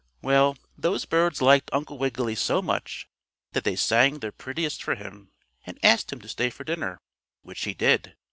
Well, those birds liked Uncle Wiggily so much that they sang their prettiest for him, and asked him to stay to dinner, which he did.